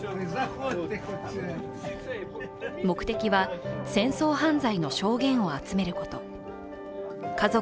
目的は戦争犯罪の証言を集めること。